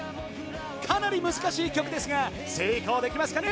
かなり難しい曲ですが成功できますかね？